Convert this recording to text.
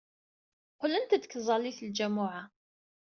Qqlent-d seg tẓallit n ljamuɛa.